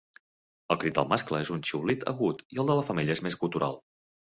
El crit del mascle és un xiulit agut, i el de la femella és més gutural.